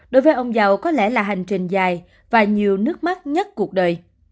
đối với ông giàu có lẽ là hành trình dài và nhiều nước mắt nhất cuộc đời